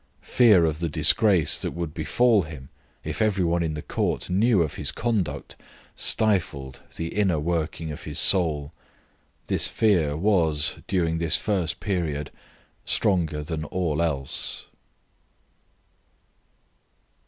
Fear of the disgrace that would befall him if every one in the court knew of his conduct stifled the inner working of his soul. This fear was, during this first period, stronger than all else.